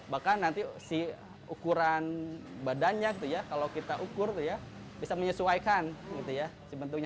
bahkan nanti ukuran badannya kalau kita ukur bisa menyesuaikan